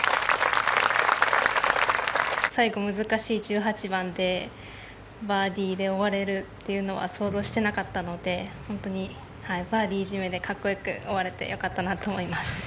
最後、難しい１８番でバーディーで終われるというのは想像してなかったので本当にバーディー締めでかっこよく終われてよかったなと思います。